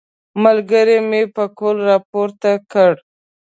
ملګري مې پکول راپورته کړ.